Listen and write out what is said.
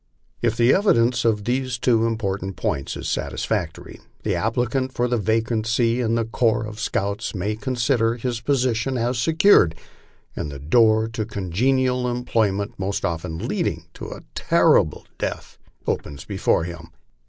If the evidence on these two im portant points is satisfactory, the applicant for a vacancy in the corps of scouts may consider his position as secured, and the door to congenial employment, most often leading to a terrible death, opens before him.